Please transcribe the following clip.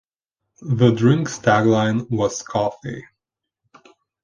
The drink's tagline was Coffee.